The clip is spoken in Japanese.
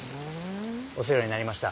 お世話になりました。